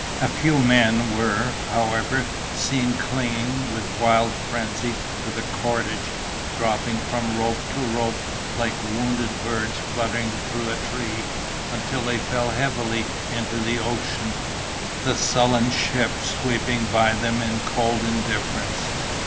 A few men were, however, seen clinging with wild frenzy to the cordage, dropping from rope to rope like wounded birds fluttering through a tree, until they fell heavily into the ocean, the sullen ship sweeping by them in cold indifference.